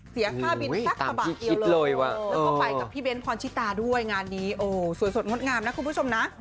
เสียค่าบินสักกระบะเดียวเลยว่ะแล้วก็ไปกับพี่เบ้นพรชิตาด้วยงานนี้โอ้สวยสดงดงามนะคุณผู้ชมนะ